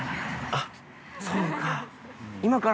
あっ、そうか。